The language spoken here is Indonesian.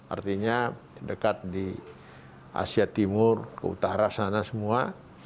artinya dekat di asia timur ke utara sana semua